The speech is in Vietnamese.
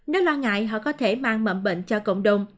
nếu lo ngại họ có thể mang mầm bệnh cho cộng đồng